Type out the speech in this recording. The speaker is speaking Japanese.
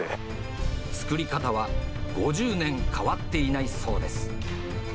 作り方は５０年変わっていないそうです。